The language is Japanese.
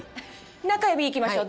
中指行きましょう。